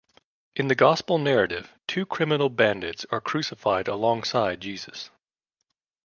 In the Gospel narrative, two criminal bandits are crucified alongside Jesus.